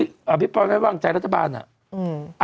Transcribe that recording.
แต่ตอนที่ภิกษ์ปอยแม่ว่างใจรัฐบาลน่ะ